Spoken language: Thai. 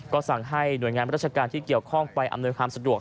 ก็สั่งให้หน่วยงานราชการที่เกี่ยวข้องไปอำนวยความสะดวก